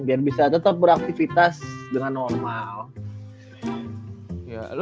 biar bisa tetap beraktivitas dengan normal